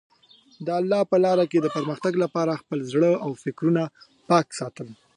د الله په لاره کې د پرمختګ لپاره خپل زړه او فکرونه پاک ساتل.